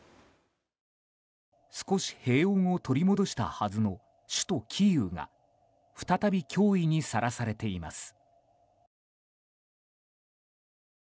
少し平穏を取り戻したはずの首都キーウが再び脅威にさらされています。